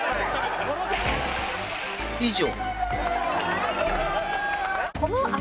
以上